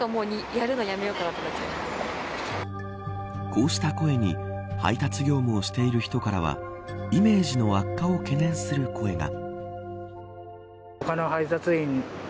こうした声に配達業務をしている人からはイメージの悪化を懸念する声が。